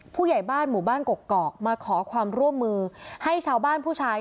ผู้ใหญ่บ้านหมู่บ้านกกอกมาขอความร่วมมือให้ชาวบ้านผู้ชาย